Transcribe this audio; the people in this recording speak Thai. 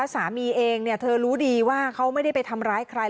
สามีเองเธอรู้ดีว่าเขาไม่ได้ไปทำร้ายใคร